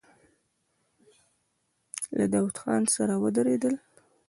له داوود خان سره ودرېدل.